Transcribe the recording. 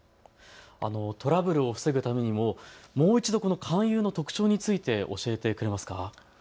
トラブルを防ぐためにももう一度、この勧誘の特徴について教えてください。